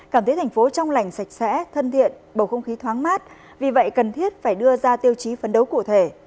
cảm thấy thành phố trong lành sạch sẽ thân thiện bầu không khí thoáng mát vì vậy cần thiết phải đưa ra tiêu chí phấn đấu cụ thể